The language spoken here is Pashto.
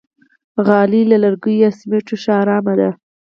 غالۍ له لرګیو یا سمنټو ښه آرام دي.